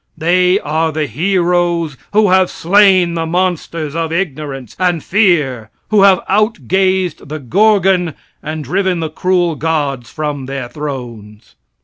They are the heroes who have slain the monsters of ignorance and fear, who have outgazed the Gorgon and driven the cruel gods from their thrones.